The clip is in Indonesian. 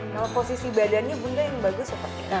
kalau posisi badannya bunda yang bagus seperti apa